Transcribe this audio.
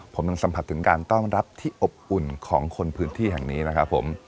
ผมยังสัมผัสถึงการต้อนรับที่อบอุ่นของคนพื้นที่แห่งนี้นะครับผม